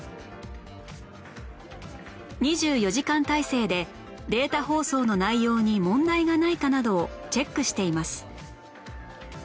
２４時間体制でデータ放送の内容に問題がないかなどをチェックしています